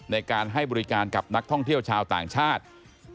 ในการให้บริการกับนักท่องเที่ยวชาวต่างชาติ